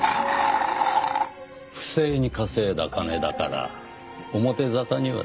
不正に稼いだ金だから表沙汰にはできない。